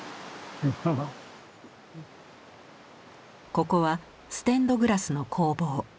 ここはステンドグラスの工房。